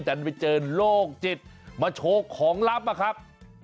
จันทร์ไปเจอโลกจิตมาโชว์ของลับอ่ะครับ